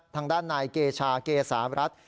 ทางด้านนายเกชาเกษารัฐ